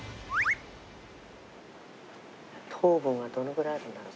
糖分はどのぐらいあるんだろう？